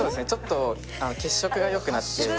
ちょっと血色がよくなって。